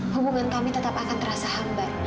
hubungan kami tetap akan terasa hambar